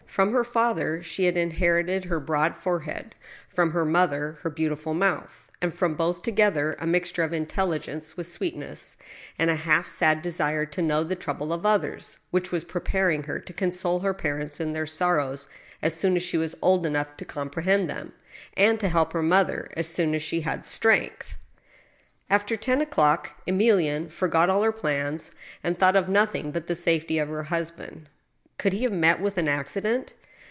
From her father she had inherited her broad forehead, from her mother her beautiful mouth, and from both together a mixture of intelligence with sweetness, and a half sad desire to know the troubles of oth ers, which were preparing her to console her parents in their sor rows as ^oon as she should be old enough to comprehend them, and to help her mother as soon as she had strength. After ten o'clock Emilienne forgot all her plans, and thought of nothing but the safety of her husband. Could he have met with an accident